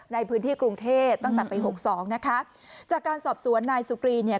ในพื้นที่กรุงเทพตั้งแต่ปีหกสองนะคะจากการสอบสวนนายสุกรีเนี่ย